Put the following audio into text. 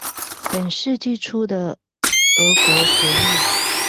本世紀初的俄國革命